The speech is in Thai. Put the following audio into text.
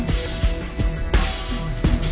เรื่องของกู